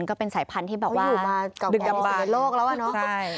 ก็เป็นสายพันธุ์ที่แบบว่าเขาอยู่มาเดินกับบ้านโลกแล้วอ่ะเนอะใช่